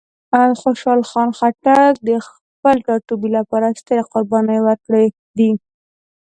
خوشحال خان خټک د خپل ټاټوبي لپاره سترې قربانۍ ورکړې دي.